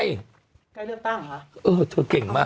ใกล้เริ่มตั้งหรอคะอื้อเธอเก่งมาก